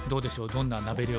どんな鍋料理。